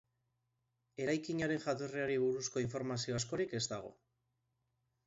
Eraikinaren jatorriari buruzko informazio askorik ez dago.